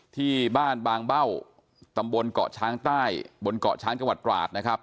ที่บ้านบางเบ้าตำบลเกาะช้างใต้บนเกาะช้างจังหวัดตราดนะครับ